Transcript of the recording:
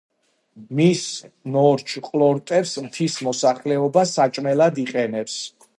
მის ნორჩ ყლორტებს მთის მოსახლეობა საჭმელად იყენებს.